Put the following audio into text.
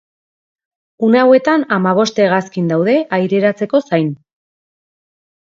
Une hauetan hamabost hegazkin daude aireratzeko zain.